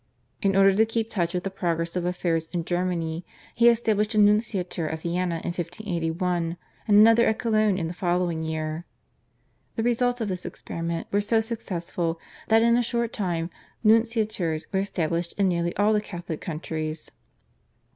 In order to keep touch with the progress of affairs in Germany he established a nunciature at Vienna in 1581, and another at Cologne in the following year. The results of this experiment were so successful that in a short time nunciatures were established in nearly all the Catholic countries.